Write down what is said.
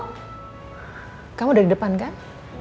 hai kamu udah depangan